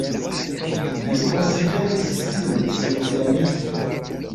Li konsideris sin socialisto.